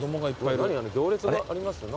あれ行列がありますよ。